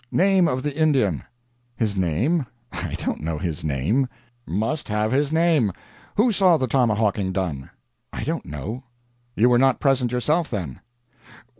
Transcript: "Name of the Indian?" "His name? I don't know his name." "Must have his name. Who saw the tomahawking done?" "I don't know." "You were not present yourself, then?"